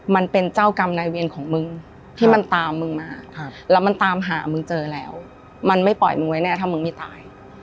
มันเป็นเจ้ากรรมนายเวรของมึงที่มันตามมึงมาแล้วมันตามหามึงเจอแล้วมันไม่ปล่อยมึงไว้แน่ถ้ามึงไม่ตาย